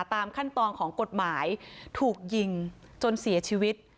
ตามขั้นตอนของกฎหมายถูกยิงจนเสียชีวิต